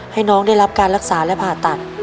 ให้น้องได้รับการรักษาและผ่าตัด